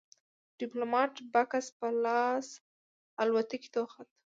ديپلومات بکس په لاس الوتکې ته وخوت.